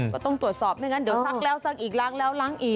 ก็ต้องตรวจสอบไม่งั้นเดี๋ยวซักแล้วซักอีกล้างแล้วล้างอีก